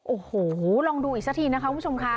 โอ้โหลองดูอีกสักทีนะคะคุณผู้ชมค่ะ